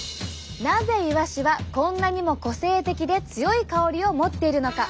なぜイワシはこんなにも個性的で強い香りを持っているのか。